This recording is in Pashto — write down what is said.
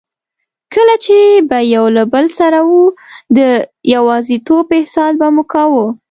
کله چي به یو له بل سره وو، د یوازیتوب احساس به مو کاوه.